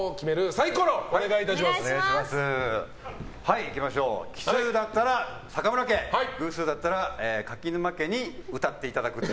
サイコロ奇数だったら坂村家偶数だったら柿沼家に歌っていただくと。